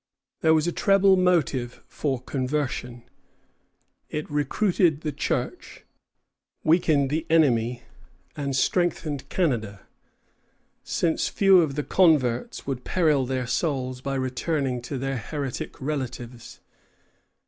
There was a treble motive for conversion: it recruited the Church, weakened the enemy, and strengthened Canada, since few of the converts would peril their souls by returning to their heretic relatives.